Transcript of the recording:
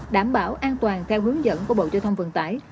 đảm bảo an toàn theo hướng dẫn của bộ giao thông vận tải